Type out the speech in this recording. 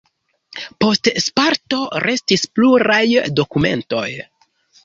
Post Sparto restis pluraj dokumentoj.